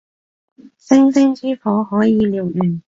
星星之火可以燎原